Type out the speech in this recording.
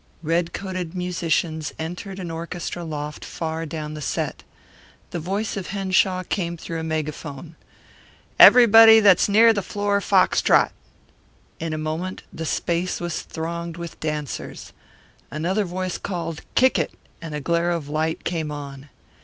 Red coated musicians entered an orchestra loft far down the set. The voice of Henshaw came through a megaphone: "Everybody that's near the floor fox trot." In a moment the space was thronged with dancers. Another voice called "Kick it!" and a glare of light came on.